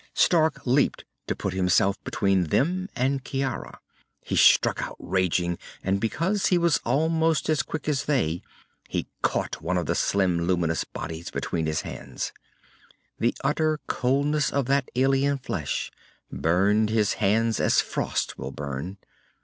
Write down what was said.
Stark leaped to put himself between them and Ciara. He struck out, raging, and because he was almost as quick as they, he caught one of the slim luminous bodies between his hands. The utter coldness of that alien flesh burned his hands as frost will burn.